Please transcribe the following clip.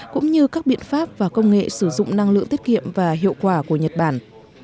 cũng như các biện pháp và công nghệ sử dụng năng lượng tiết kiệm và hiệu quả của nhật bản